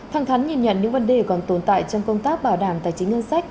thẳng thắn nhìn nhận những vấn đề còn tồn tại trong công tác bảo đảm tài chính ngân sách